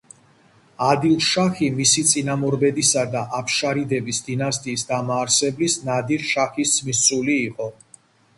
ადილ-შაჰი მისი წინამორბედისა და აფშარიდების დინასტიის დამაარსებლის ნადირ-შაჰის ძმისწული იყო.